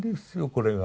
これが。